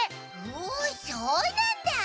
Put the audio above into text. おそうなんだ！